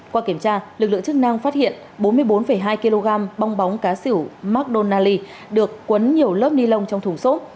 qua kiểm tra lực lượng chức năng phát hiện bốn mươi bốn hai kg bong bóng cá sử mcdonald s được quấn nhiều lớp ni lông trong thùng sốt